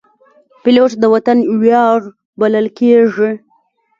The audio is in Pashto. پیلوټ د وطن ویاړ بلل کېږي.